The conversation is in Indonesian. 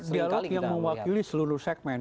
dialog yang mewakili seluruh segmen